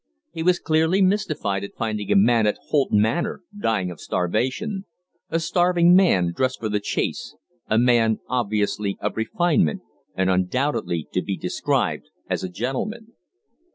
He was clearly mystified at finding a man at Holt Manor dying of starvation a starving man dressed for the chase, a man obviously of refinement, and undoubtedly to be described as a gentleman.